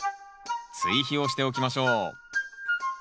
追肥をしておきましょう。